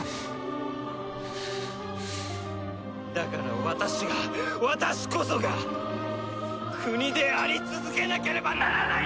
だから私が私こそが国であり続けなければならないのだ！